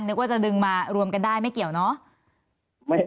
นึกว่าจะดึงมารวมกันได้ไม่เกี่ยวเนอะ